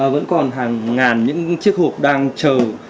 vẫn còn hàng ngàn những chiếc hộp đang chờ